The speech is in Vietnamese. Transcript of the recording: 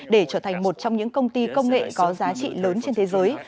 để trở thành một trong những công ty công nghệ có giá trị lớn trên thế giới